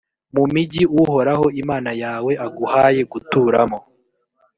mu migi uhoraho imana yawe aguhaye guturamo,